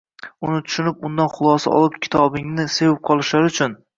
uni tushunib, undan xulosa olib kitobingni sevib qolishlari uchun